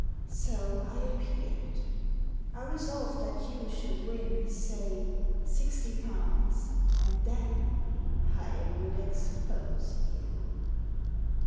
So I appeared. I resolved that you should win, say, sixty pounds, and then — I would expose you."